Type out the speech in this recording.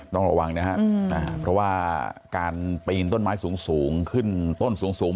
ต้องระวังนะครับเพราะว่าการปีนต้นไม้สูงขึ้นต้นสูง